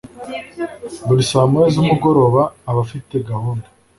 Buri sa moya zumugoroba aba afite gahunda